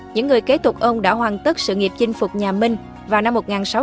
những người kế tục ông đã hoàn tất sự nghiệp chinh phục nhà minh vào năm một nghìn sáu trăm bốn mươi bốn